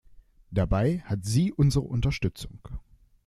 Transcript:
Dabei hat sie unsere Unterstützung.